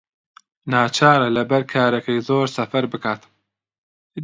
ناچارە لەبەر کارەکەی زۆر سەفەر بکات.